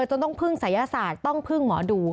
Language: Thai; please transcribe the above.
จนต้องคึ่งสัยสาธิตต้องคึ่งหมอดู